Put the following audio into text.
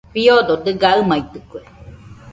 Fiodo dɨga aɨmaitɨkue.